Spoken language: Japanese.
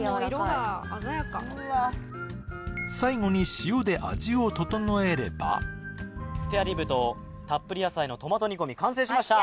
もう色が鮮やか最後に塩で味を調えればスペアリブとたっぷり野菜のトマト煮込み完成しました！